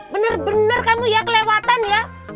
bener bener kamu ya kelewatan ya